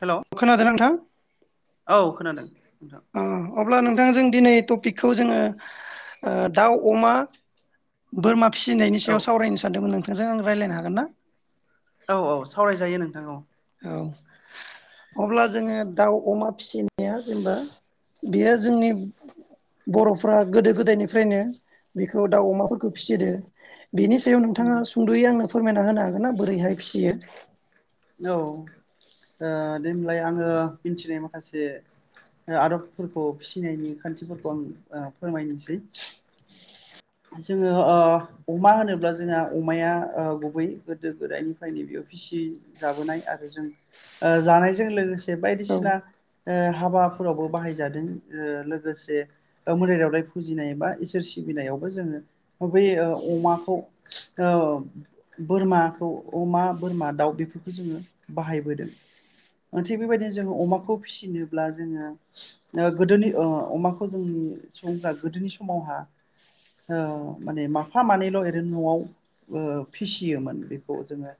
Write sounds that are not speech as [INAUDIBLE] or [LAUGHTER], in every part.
हेल' खोनादों नोंथां [INAUDIBLE] औ खोनादों नोंथां। ओ अब्ला नोंथांजों दिनै टपिकखौ जोङो ओ दाउ अमा बोरमा फिसिनायनि औ सायाव सावरायनो सानदोंमोन आं नोंजों आं रायलायनो हागोन ना? औ औ सावरायजायो नोंथां औ औ अब्ला जोङो दाउ अमा फिसिनाया जेनेबा बेयो जोंनि बर'फ्रा गोदो गोदायनिफ्रायनो बेखौ दाउ अमाफोरखौ फिसिदो बेनि सायाव नोंथाङा नंगौ सुंद'यै आंनो फोरमायना ना होनो हागोन ना बोरैहाय फिसियो औ ओ दे होनबालाय आङो मिथिनाय माखासे आदबफोरखौ फिसिनायनि खान्थिफोरखौ आं ओ फोरमायनोसै जोङो ओ अमा होनोब्ला जोंहा अमाया ओ गुबै गोदो गोदायनिफ्रायनो बेयाव फिसि जाबोनाय आरो जों ओ जानायजों लोगोसे [UNINTELLIGIBLE] औ बायदिसिना ओ हाबाफोरावबो बाहायजादों ओ लोगोसे मोदाय दावदाय फुजिनाय बा इसोर सिबिनायाव जोङो बे ओ अमाखौ ओ बोरमाखौ अमा बोरमा दाउ बेफोरखौ जोङो बाहायबोदों थिग बेबायदिनो जोङो अमाखौ फिसिनोब्ला जोङो ओ गोदोनि ओ अमाखौ जोंनि सुबुंफ्रा गोदोनि समावहा ओ माने माफा मानैल' ओरैनो न'आव ओ फिसियोमोन बेखौ जोङो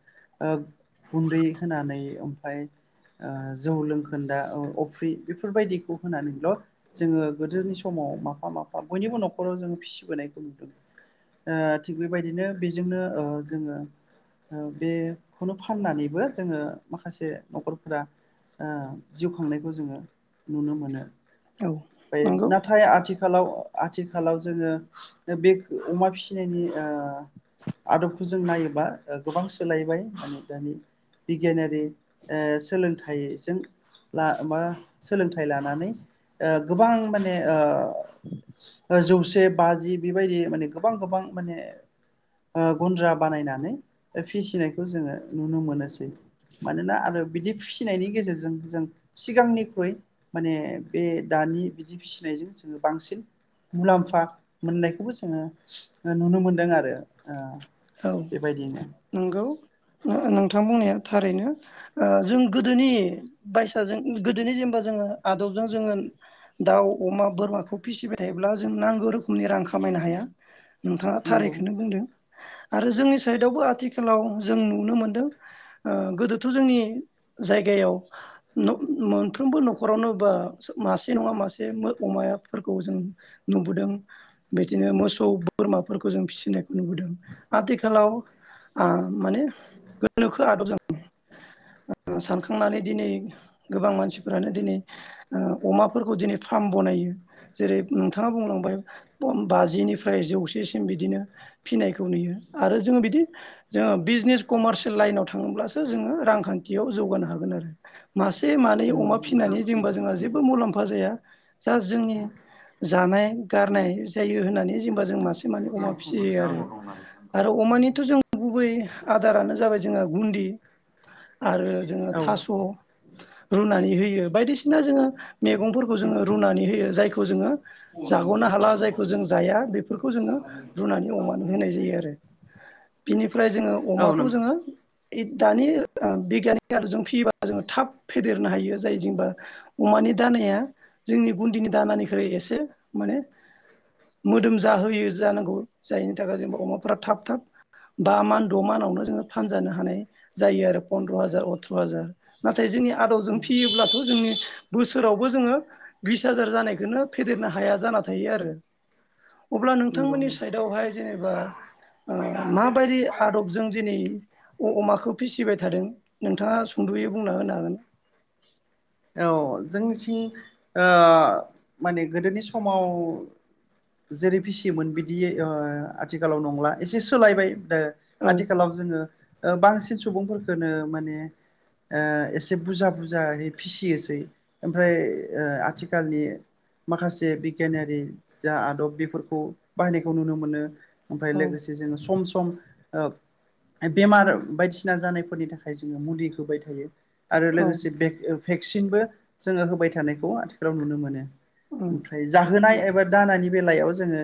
ओ गुन्दै होनानै ओमफाय ओ जौ लोंखोन्दा अफ्रि बेफोरबायदिखौ होनानैल' जोङो गोदोनि समाव माफा माफा बयनिबो न'खराव जोङो फिसिबोनाय ओ थिग बेबायदिनो बेजोंनो ओ जोङो बेखौनो फाननानैबो जोङो माखासे न'खरफोरा ओ जिउ खांनायखौ जोङो नुनो मोनो औ [UNINTELLIGIBLE] नंगौ नाथाय आथिखाल खालाव आथिखालाव जोङो बे अमा फिसिनायनि ओ आदबखौ जों नायोबा गोबां सोलायबाय माने दानि बिगियानारि ओ सोलोंथाइजों ला मा सोलोंथाइ लानानै ओ गोबां माने ओ जौसे बाजि बेबायदि माने गोबां गोबां माने ओ गुन्द्रा बानायनानै फिसिनायखौ जोङो नुनो मोनोसै मानोना आरो बिदि फिसिनायनि गेजेरजों जों सिगांनिख्रुइ माने बे दानि बिदि फिसिनायजों जोङो बांसिन मुलाम्फा मोननायखौबो जोङो नुनो मोनदों आरो ओ औ बेबायदिनो नंगौ नोंथां बुंनाया थारैनो ओ जों गोदोनि बायसाजों गोदोनि जेनेबा जोङो आदबजों जोङो दाउ अमा बोरमाखौ फिसिबाय थायोब्ला जों नांगौ रोखोमनि रां खामायनो हाया नोंथाङा नंगौ थारैखौनो बुंदों आरो जोंनि साइडआवबो आथि आथिखालाव जों नुनो मोनदों ओ गोदोथ' जोंनि जायगायाव मोनफ्रोमबो न'खरावनो बा मासे नङा मासे अमाफोरखौ जों नुबोदों बिदिनो मोसौ बोरमाफोरखौ जों फिसिनायखौ नुबोदों। आथिखालाव आं माने गोनोखो आदबजों सानखांनानै दिनै गोबां मानसिफोरानो दिनै अमाफोरखौ दिनै फार्म बनायो जेरै नोंथाङा बुंलांबाय बाजिनिफ्राय जौसेसिम बिदिनो फिनाय खौ नुयो आरो जों बिदि जो बिजनेस कमारसियेल लाइनाव थाङोब्लासो जोङो रांखान्थियाव जौगानो हागोन आरो। मासे मानै नंगौ अमा नंगौ फिसिनानै जेनबा जोंहा जेबो मुलाम्फा जाया। जा जोंनि जानाय गारनाय जायो होननानै होनबा जों मासे मानै अमा फिसियो आरो। आरो अमानिथ' जों गुबै आदारानो जाबाय जोङो गुन्दि आरो जोङो औ थास' रुनानै होयो बायदिसिना जोङो मैगंफोरखौ जोङो रुनानै होयो जायखौ जोङो जाग'नो हाला जायखौ जों जाया बेफोरखौ जोङो रुनानै अमानो होनाय जायो आरो बिनिफ्राय जोङो औ नंगौ अमाखौ जोङो इद दानि बिगियान आलुजों फियोबा जोङो थाब फेदेरनो हायो जाय जेनेबा अमानि दानाया जोंनि गुन्दिनि दानानिख्रुइ एसे माने मोदोम जाहोयो जानांगौ जाय जा अमाफ्रा थाब थाब बा मान द' मानावनो जोंङो फानजानो हानाय जायो आरो पन्द्र हाजार अथ्र' हाजार नाथाय जोंनि आदबजों फियोब्लाथ' जोंनि बोसोरावबो जोङो बिस हाजार जानायखौनो फेदेरनो हाया जाना थायो आरो‌। अब्ला नंगौ नोंथांमोननि साइडआवहाय एबा ओ माबायदि आदबजों दिनै अमाखौ फिसिबाय थादों नोंथाङा सुंद'यै बुंना होनो हागोन। औ जोंनिथिं ओ माने गोदोनि समाव जेरै फिसियोमोन बिदि ओ आथिखालाव नंला एसे सोलायबाय। दा औ आथिखालाव जोङो ओ बांसिन सुबुंफोरखौनो माने एसे बुरजा बुरजायै फिसियोसै ओमफ्राय ओ आथिखालनि माखासे बिगियानारि जा आदब बेफोरखौ बाहायनायखौ नुनो मोनो। ओमफ्राय औ लोगोसे जोङो सम सम ओ बेमार बायदिसिना जानायफोरनि थाखाय जोङो मुलि होबाय थायो। आरो औ लोगोसे बे सिनबो जोङो होबाय थानायखौ आथिखालाव नुनो मोनो। ओमफ्राय जाहोनाय एब एबा दानानि बेलायाव जोङो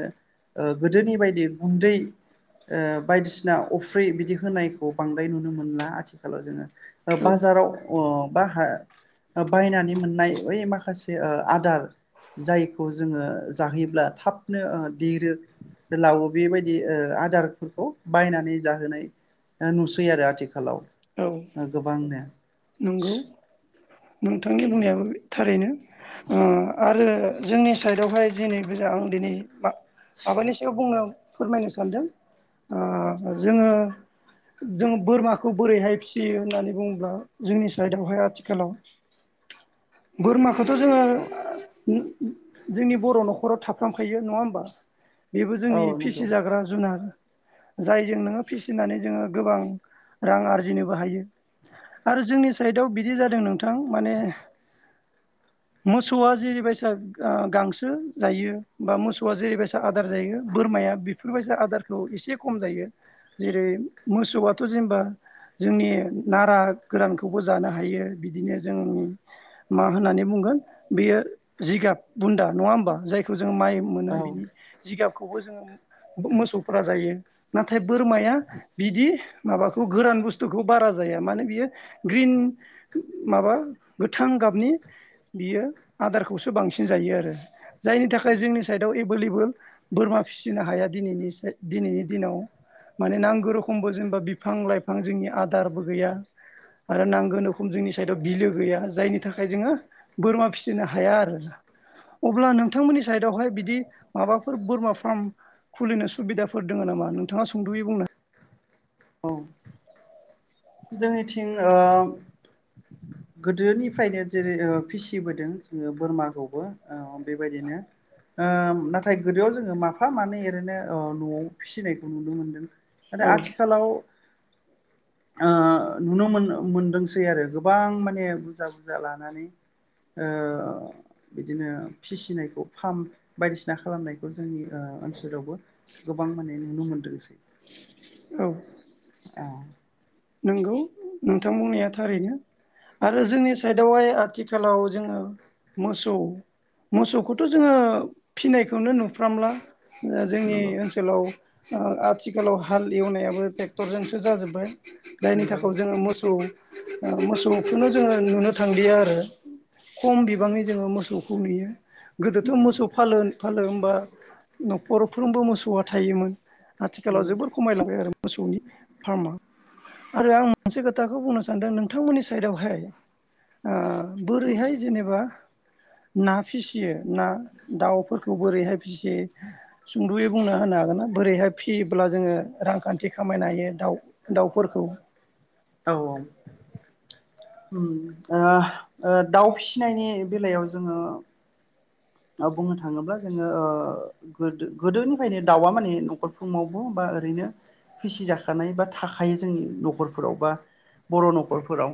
ओ गोदोनि बायदि गुन्दै ओ बायदिसिना अफ्रि बिदि होनायखौ बांद्राय नुनो मोनला आथिखालाव जोङो। औ बाजाराव अ बा हा बायनानै मोननाय बै माखासे आदार जायखौ जोङो जाहोयोब्ला थाबनो देरो लावो बेबायदि आदारफोरखौ बायनानै जाहोनाय नुसै आरो आथिखालाव। गोबांनो नोंगौ। नोंथांनि बुंनायाबो थारैनो। ओ आरो जोंनि साइडआवहाय दिनैबोजा आं दिनै माबानि सायाव बुंनो फोरमायनो सानदों ओ जोङो जों बोरमाखौ बोरैहाय फियो होननानै बुङोब्ला जोंनि साइडआवहाय आथिखालाव बोरमा खौथ' जोङो औ जोंनि बर' न'खराव थाफ्रामखायो नङा होमबा? बेबो औ जोंनि नंगौ फिसिजाग्रा जुनार जायजों नोङो फिसिनानै जोङो गोबां रां आरजिनोबो हायो। आरो जोंनि साइडआव बिदि जादों नोंथां माने मोसौआ जेरैबायसा गांसो जायो बा मोसौआ जेरैबायसा आदार जायो बोरमाया बेफोरबायदि आदारखौ एसे खम जायो जेरै मोसौआथ' जेनेबा जोंनि नारा गोरानखौबो जानो हायो बिदिनो जों मा होननानै बुंगोन बेयो जिगाब बुन्दा नङा होमबा जायखौ ज जों माइ मोनो औ बिनि जिगाब खौबो जोङो मोसौफोरा जायो नाथाय बोरमाया बिदि माबाखौ गोरान बुस्थुखौ बारा जाया मानो बियो ग्रिन माबा गोथां गाबनि बियो आदारखौसो बांसिन जायो आरो जायनि थाखाय जोंनि साइडआव एभेलेबोल बोरमा फिसिनो हायानैनि दिनैनि दिनाव माने नांगौ रोखमबो जेनेबा बिफां लाइफां जोंनि आदारबो गैया आरो नांगोन रोखम जोंनि साइदआव बिलो गैया जायनि थाखाय जोङो बोरमा फिसिनो हाया आरो अब्ला नोंथांमोननि साइदआवहाय बिदि माबाफोर बोरमा फार्म खुलिनो सुबिदाफोर दङ' नामा नोंथाङा सुंद'यै बुंनो औ। जोंनिथिं ओ [INAUDIBLE] गोदोनिफ्रायनो जेरै ओ फिसिबोदों जोङो बोरमाखौबो ओ बेबायदिनो ओ नाथाय गोदोआव जोङो माफा मानै ओरैनो ओ न'आव फिसिनायखौ नुनो मोनदों आरो औ आथिखालाव ओ नुनो मोनदों मोनदोंसै आरो गोबां माने बुरजा बुरजा लानानै ओ बिदिनो फिसिनायखौ फार्म बायदिसिना खालामनायखौ जोंनि ओ ओनसोलावबो गोबां माने नुनो मोनदोंसै औ। औ। नंगौ नोंथां बुंनाया थारैनो आरो जोंनि साइडआवहाय आथिखालाव जोङो मोसौ मोसौखौथ' जोङो फिनायखौनो नुफ्रामला जोंनि नंगौ ओनसोलाव ओ आथिखालाव हाल एवनायाबो ट्रेक्टरजोंसो जाजोब्बाय जायनि नंगौ थाखाय जोङो मोसौ मोसौखौनो जोङो नुनो थांलिया आरो खम बिबाङै जोङो मोसौखौ नुयो गोदोथ' मोसौ फालो फालो होमबा न'खरफ्रोमबो मोसौआ थायोमोन आथिखालाव नंगौ जोबोर खमायलांबाय आरो मोसौनि फार्मा। आरो आं मोनसे खोथाखौ बुंनो सानदों नोंथांमोननि साइडावहाय बोरैहाय जेनेबा ना फिसियो ना दाउफोरखौ बोरैहाय फिसियो सुंद'यै बुंना होनो हागोन ना? बोरैहाय फिसियोब्ला जोङो रांखान्थि खामायनो हायो दाउ दाउफोरखौ औ औ दाउ उम ओ ओ फिसिनायनि बेलायाव जोङो बुंनो थाङोब्ला जोङो ओ गो गोदोनिफ्रायनो दाउआ माने न'खर फुङावबो बा ओरैनो फिसिजाखानाय बा थाखायो जोंनि न'खरफोराव बा बर' न'खरफोराव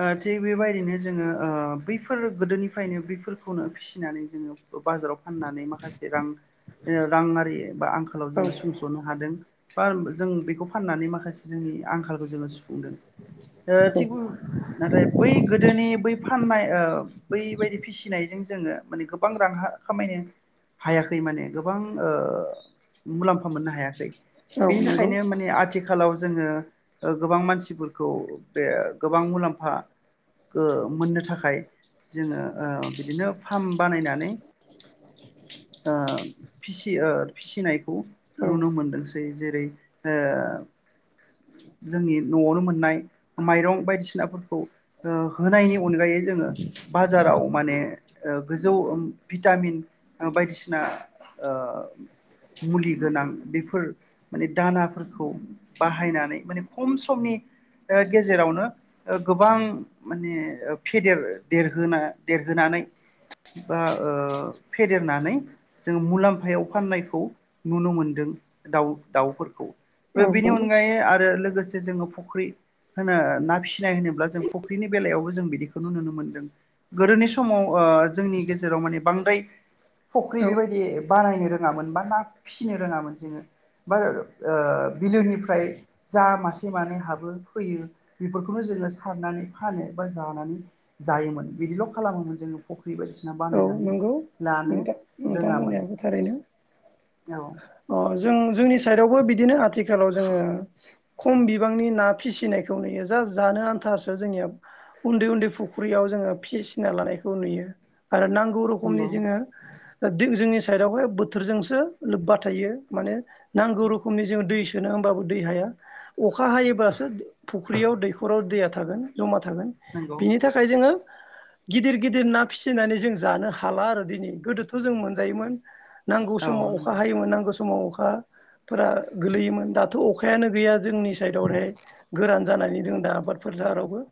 ओ थिग बेबायदिनो जोङो ओ बैफोर गोदोनिफ्रायनो बैफोरखौनो फिसिनानै जोंङो बाजाराव फानानै माखासे रां जोंङो रांङारि बा आं आंखालाव औ जोङो सुंस'नो हादों बा जों बेखौ फाननानै माखासे जोंनि आंखाल खौ जोंङो सुुफुंदों थि नाथाय बै गोदोनि बै फाननाय औ बैबायदि फिसिनाय जोंङो गोबां रां खामायनो हायाखै माने गोबां ओ मुलाम्फा मोननो हायाखै औ बेनि नंगौ थाखायनो माने आथिखालाव जोङो गोबां ओ मानसिफोरखौ बे गोबां मुलाम्फा ओ मोननो थाखाय जोङो ओ बिदिनो फार्मा बानायनानैनाय ओ फिसियो फिसिनाय खौ औ नुनो मोनदों जेरै ओ जोंनि नआवनो मोननाय माइरं बायदिसिनाफोरखौ ओ होनायनि अनगायै जोङो बाजाराव माने ओ गोजौ ओम भिटामिन बायदिसिना ओ मुलि गोनां बेफोर माने दानाफोरखौ बाहायनानै माने खम समनि ओ गेजेरावनो गोबां माने फेदेर देरहोना देरहोनानै बा ओ फेदेरनानै जोङो मुलाम्फायाव फाननायखौ नुनो मोनदों दाउ दाउफोरखौ औ बेनि नंगौ अनगायै आरो लो गोसे जोङो फुख्रि होनो ना फिसिनाय होनोब्ला जों फुख्रिनि बेलायावबो जों बिदिखौ नुनो मोनदों। गोदोनि समाव ओ जोंनि गेजेराव माने बांद्राय फुख्रि औ बेबायदि बानायनो रोङामोन बा ना फिसिनो रोङामोन जोङो बा ओ बिलोनिफ्राय जा मासे मानै हाबो फैयो बेफोरखौनो जोङो सारनानै फानो बा जानानै जायोमोन बिदिल खालामोमोन जोङो फुख्रि बायदिसिना औ बानायनानै नंगौ लानो नोंथां नोंथां रोङामोन बुंनायाबो थारैनो औ अ जों जोंनि साइदावबो बिदिनो आ थिखालाव जोङो खम बि बांनि ना फिसिनायखौ नुयो जास जानो आन्थारसो जोंनिया उन्दै उन्दै फुख्रियाव जोङो फिसिना लानायखौ नुयो आरो नांगौ रोखमनि नंगौ जोङो जोंनि साइदावहाय बोथोरजोंसो लोब्बा थायो माने नांगौ रोखोमनि जों दै जोनो होमबाबो दै हाया अखा हायोबासो फुख्रियाव दैखराव दैया था गोन जमा थागोन नंगौ बिनि थाखाय जोङो गिदिर गिदिर ना फिसि नानै जों जानो हाला आरो दिनै गोदोथ जों मोनजायोमोन। नांगौ औ समाव अखा नंगौ हायोमोन नांगौ समाव अखा खा फोरा गोलैयोमोन दाथ अ खायानो गैया जोंनि साइदावहाय गोरान जानानै जों दा आबाद फोथारावबो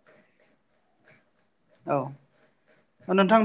औ ओ नोंथां बि